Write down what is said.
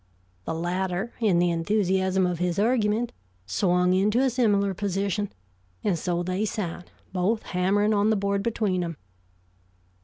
The latter, in the enthusiasm of his argument, swung into a similar position, and so they sat, both hammering on the board between them.